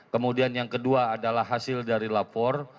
kemudian yang kedua adalah hasil dari lapor